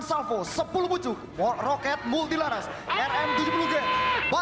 dan kemampuan terbuka